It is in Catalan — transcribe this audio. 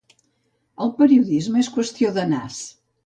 El periodisme és qüestió de nas.